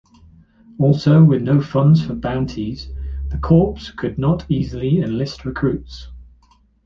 Also, with no funds for bounties, the corps could not easily enlist recruits.